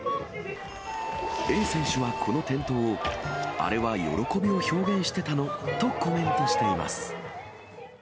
栄選手は、この転倒を、あれは喜びを表現してたのとコメントしています。